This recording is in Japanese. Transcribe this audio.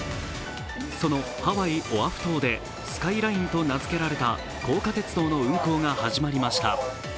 そのハワイ・オアフ島で、スカイラインと名付けられた高架鉄道の運行が始まりました。